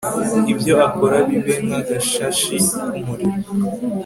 ibyo akora bibe nk'agashashi k'umuriro